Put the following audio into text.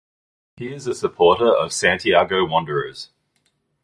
He is supporter of Santiago Wanderers.